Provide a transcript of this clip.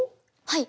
はい。